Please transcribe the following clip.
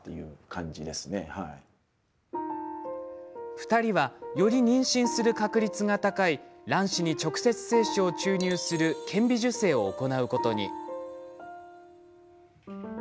２人はより妊娠する確率が高い卵子に直接、精子を注入する顕微授精を行うことに。